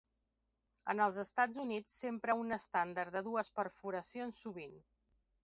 En els Estats Units s'empra un estàndard de dues perforacions sovint.